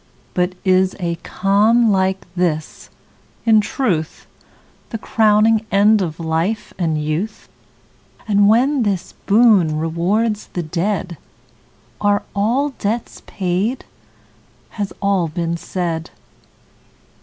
But is a calm like this, in truth, The crowning end of life and youth, And when this boon rewards the dead, Are all debts paid, has all been said?